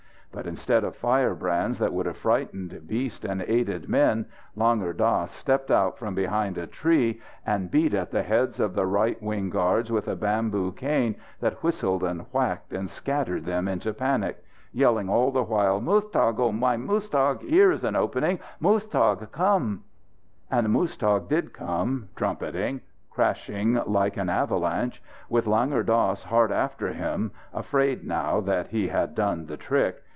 but instead of firebrands that would have frightened beast and aided men, Langur Dass stepped out from behind a tree and beat at the heads of the right wing guards with a bamboo cane that whistled and whacked and scattered them into panic yelling all the while "Muztagh! O my Muztagh! Here is an opening! Muztagh, come!". And Muztagh did come trumpeting crashing like an avalanche, with Langur Dass hard after him afraid, now that he had done the trick.